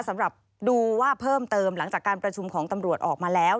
สำหรับดูว่าเพิ่มเติมหลังจากการประชุมของตำรวจออกมาแล้ว